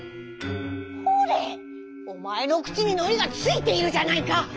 ほれおまえのくちにのりがついているじゃないか！